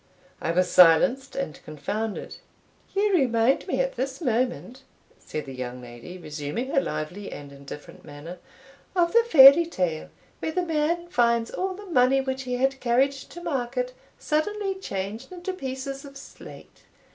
I was silenced and confounded. "You remind me at this moment," said the young lady, resuming her lively and indifferent manner, "of the fairy tale, where the man finds all the money which he had carried to market suddenly changed into pieces of slate.